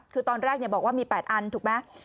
คือตอนแรกบอกว่ามี๘อันถูกไหม